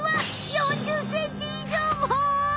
４０ｃｍ以上も！？